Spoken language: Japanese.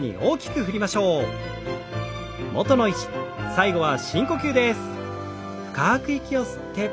最後は深呼吸です。